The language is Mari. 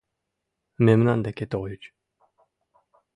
Мемнан деке тольыч.